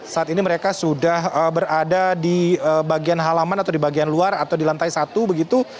saat ini mereka sudah berada di bagian halaman atau di bagian luar atau di lantai satu begitu